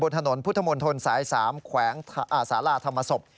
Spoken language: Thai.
บนถนนพุทธมนตร์ทนสาย๓แขวงอาสาราธรรมศพ